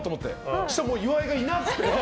そしたらもう岩井がいなくて。